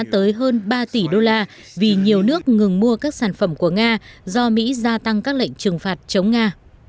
tới hơn ba tỷ đô la vì nhiều nước ngừng mua các sản phẩm của nga do mỹ gia tăng các lệnh trừng phạt chống nga